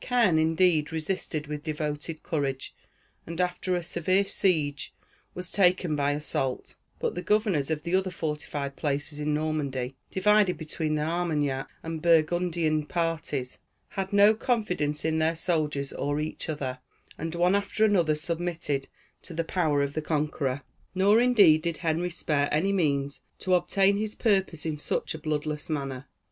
Caen, indeed, resisted with devoted courage, and, after a severe siege, was taken by assault; but the governors of the other fortified places in Normandy, divided between the Armagnac and the Burgundian parties, had no confidence in their soldiers or each other, and one after another submitted to the power of the conqueror. Nor, indeed, did Henry spare any means to obtain his purpose in such a bloodless manner.